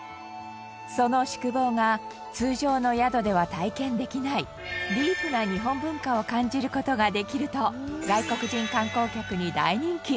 その宿坊が通常の宿では体験できないディープな日本文化を感じる事ができると外国人観光客に大人気。